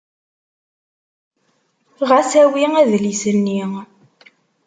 Ɣas awi adlis-nni.